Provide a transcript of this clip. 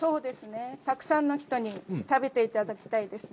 たくさんの人に食べていただきたいですね。